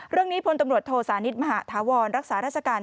เรื่องนี้พลตำรวจโทษานิดมหาธาวรรักษาราชการ